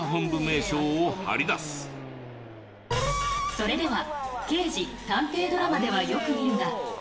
それでは。